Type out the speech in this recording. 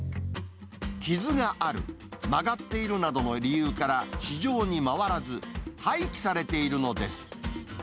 傷がある、曲がっているなどの理由から、市場に回らず、廃棄されているのです。